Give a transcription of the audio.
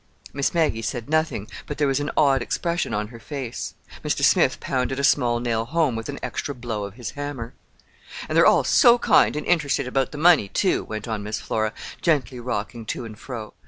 Miss Maggie said nothing, but, there was an odd expression on her face. Mr. Smith pounded a small nail home with an extra blow of his hammer. "And they're all so kind and interested about the money, too," went on Miss Flora, gently rocking to and fro.